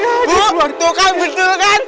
aduh luar tukang betul kan